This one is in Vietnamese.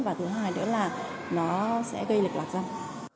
và thứ hai nữa là nó sẽ gây lịch lạc dân